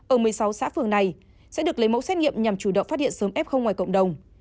ở một mươi sáu xã phường này sẽ được lấy mẫu xét nghiệm nhằm chủ động phát hiện sớm f ngoài cộng đồng